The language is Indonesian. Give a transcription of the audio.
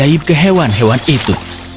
dan menemukan kekuatan hewan hewan itu